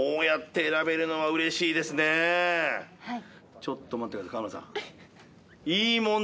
ちょっと待ってください河村さん。